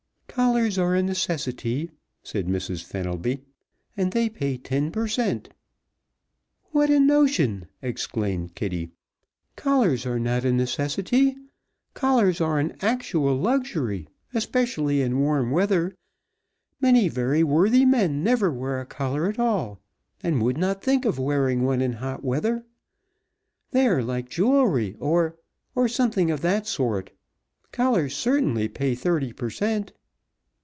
"Collars are a necessity," said Mrs. Fenelby, "and they pay ten per " "What a notion!" exclaimed Kitty. "Collars are not a necessity. Collars are an actual luxury, especially in warm weather. Many very worthy men never wear a collar at all, and would not think of wearing one in hot weather. They are like jewelry or or something of that sort. Collars certainly pay thirty per cent."